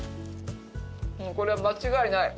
これは間違いない！